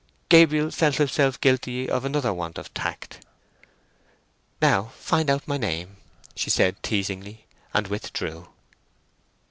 Gabriel felt himself guilty of another want of tact. "Now find out my name," she said, teasingly; and withdrew.